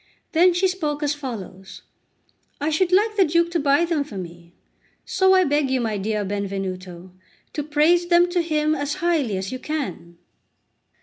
Then she spoke as follows: "I should like the Duke to buy them for me; so I beg you, my dear Benvenuto, to praise them to him as highly as you can."